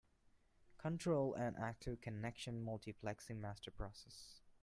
Control an active connection multiplexing master process.